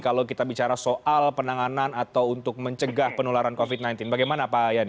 kalau kita bicara soal penanganan atau untuk mencegah penularan covid sembilan belas bagaimana pak yani